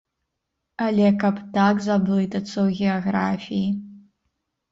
Але каб так заблытацца ў геаграфіі!